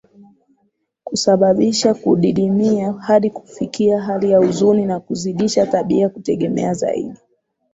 kusababisha kudidimia hadi kufikia hali ya huzuni na kuzidisha tabia kutegemea zaidi